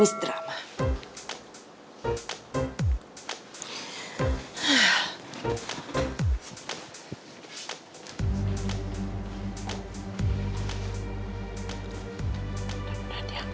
kan tidak tahap ada inkrypan ini